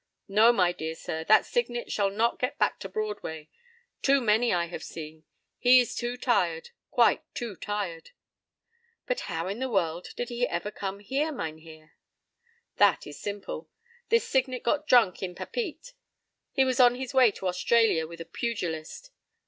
p> "No, my dear sir, that Signet shall not 'get back to Broadway.' Too many have I seen. He is too tired. Quite too tired." "But how in the world did he ever come here, Mynheer?" "That is simple. This Signet got drunk in Papeete. He was on his way to Australia with a pugilist.